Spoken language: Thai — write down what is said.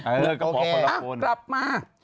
อะกลับมา